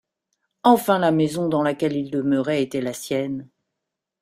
Enfin la maison dans laquelle il demeurait était la sienne.